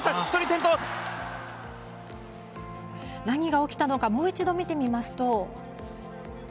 何が起きたのかもう一度見てみますと。